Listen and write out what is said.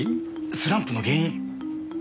スランプの原因。